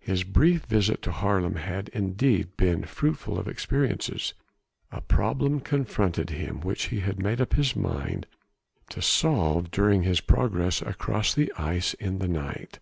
His brief visit to Haarlem had indeed been fruitful of experiences. A problem confronted him which he had made up his mind to solve during his progress across the ice in the night.